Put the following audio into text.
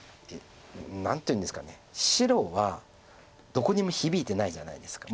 何ていうんですか白はどこにも響いてないじゃないですか。